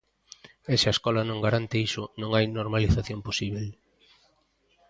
E se a escola non garante iso, non hai normalización posíbel.